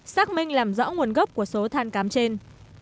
xác minh làm rõ nguồn gốc của số than cám trên